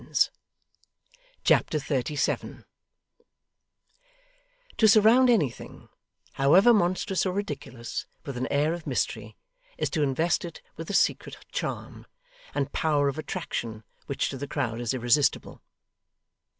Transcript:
Chapter 37 To surround anything, however monstrous or ridiculous, with an air of mystery, is to invest it with a secret charm, and power of attraction which to the crowd is irresistible.